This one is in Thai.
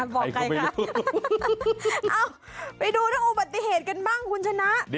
บอกใครค่ะไปดูถ้าโอบัติเหตุกันบ้างคุณชนะ